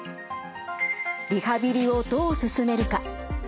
リハビリをどう進めるか。